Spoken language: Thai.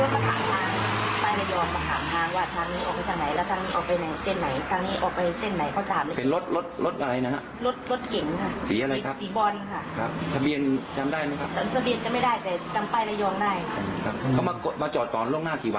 สองวันสองวันแล้ววันที่เกิดเหตุที่หนีเนี้ยเขามาจอดจอดจนช่วงไหนฮะ